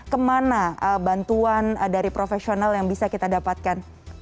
kemana bantuan dari profesional yang bisa kita dapatkan